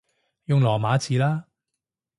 用羅馬字啦